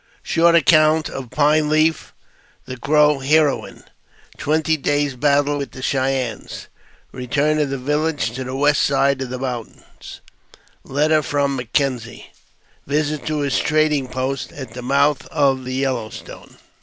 Short Account of Pine Leaf, the Crow Heroine — Twenty Days' Battle wil the Cheyennes — Keturn of the Village to the west Side of the Moun tains— Letter from M'Kenzie — Visit to his Trading post at the Moui of the Yellow Stone.